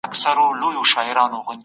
لويه جرګه ملي ستونزو ته د حل لاري لټوي.